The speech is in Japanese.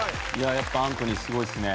やっぱアントニーすごいっすね。